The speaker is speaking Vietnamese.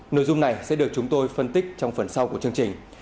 nội dung này sẽ được chúng tôi phân tích trong phần sau của chương trình